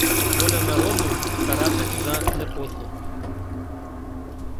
Воля народу – карати за непослух.